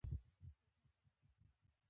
توپک جنازې زیاتې کړي.